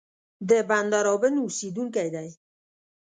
د بندرابن اوسېدونکی دی.